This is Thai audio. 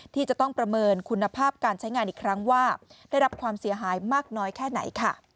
ที่จะต้องประเมินคุณภาพการใช้งานอีกครั้งว่าได้รับความเสียหายมากน้อยแค่ไหน